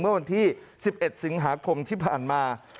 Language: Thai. เมื่อวันที่๑๑สิงหาคมที่ผ่านมา